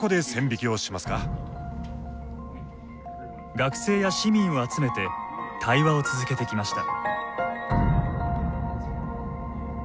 学生や市民を集めて対話を続けてきました。